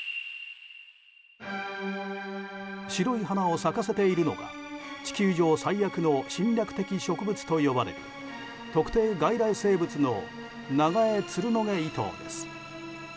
白い花を咲かせているのが地球上最悪の侵略的植物と呼ばれる特定外来生物のナガエツルノゲイトウです。